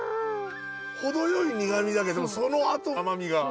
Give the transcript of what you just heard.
程よい苦みだけどそのあと甘みが。